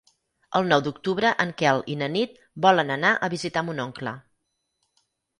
El nou d'octubre en Quel i na Nit volen anar a visitar mon oncle.